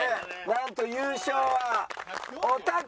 なんと優勝はおたけ！